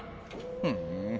ふん。